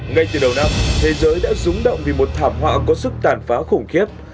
ngay từ đầu năm thế giới đã rúng động vì một thảm họa có sức tàn phá khủng khiếp